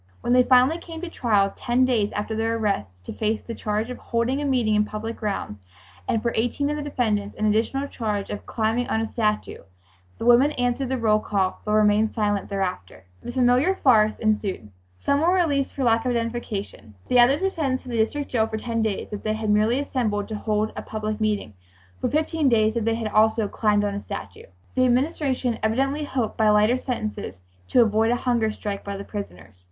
When they finally came to trial ten days after their arrest, to face the charge of "holding a meeting in public grounds," and for eighteen of the defendants an additional charge of "climbing on a statue," the women answered the roll call but remained silent thereafter. The familiar farce ensued. Some were released for lack of identification. The others were sentenced to the District Jail—for ten days if they had merely assembled to hold a public meeting, for fifteen days if they had also "climbed on a statue" The Administration evidently hoped by lighter sentences to avoid a hunger strike by the prisoners.